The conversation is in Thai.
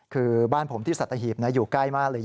คือบ้านผมที่สัตหีบอยู่ใกล้มากเลย